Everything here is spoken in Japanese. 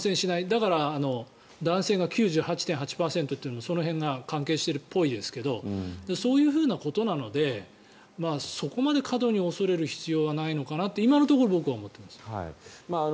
だから男性が９８．８％というのはその辺が関係しているっぽいですけどそういうふうなことなのでそこまで過度に恐れる必要はないのかなと今のところ僕は思っています。